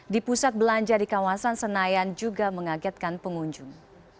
di pusat belanja di kawasan senayan juga mengagetkan pengunjung